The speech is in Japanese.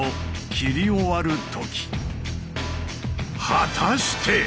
果たして！